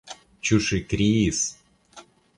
Ĉu ŝi kriis?